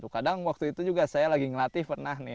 kadang waktu itu juga saya lagi ngelatih pernah nih